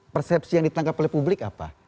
persepsi yang ditangkap oleh publik apa